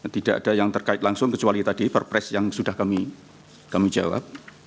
tidak ada yang terkait langsung kecuali tadi perpres yang sudah kami jawab